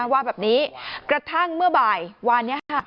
ว่าแบบนี้กระทั่งเมื่อบ่ายวานนี้ค่ะ